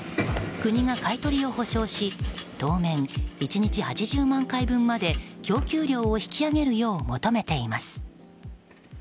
国が買い取りを保証し当面、１日８０万回分まで供給量を引き上げるよう求めています。